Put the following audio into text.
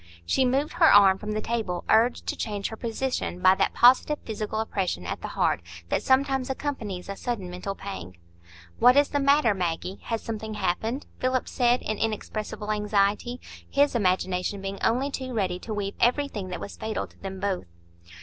She moved her arm from the table, urged to change her position by that positive physical oppression at the heart that sometimes accompanies a sudden mental pang. "What is the matter, Maggie? Has something happened?" Philip said, in inexpressible anxiety, his imagination being only too ready to weave everything that was fatal to them both.